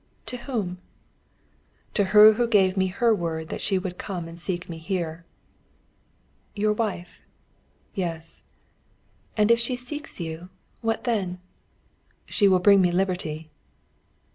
"To whom?" "To her who gave me her word that she would come and seek me here." "Your wife?" "Yes." "And if she seeks you, what then?" "She will bring me liberty."